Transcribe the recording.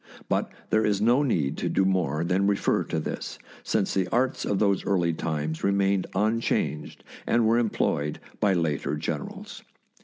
But there is no need to do more than refer to this, since the arts of those early times remained unchanged and were employed by later generals.